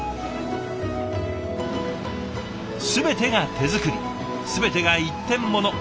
全てが手作り全てが一点もの。